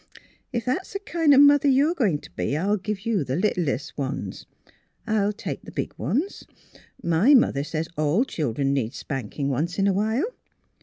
" If that's the kind of mother you're going to be, I'll give you the littlest ones. I'll take the big ones. My mother says all children need spanking, once in a while.